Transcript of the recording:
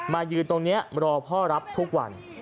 ยืนตรงนี้รอพ่อรับทุกวัน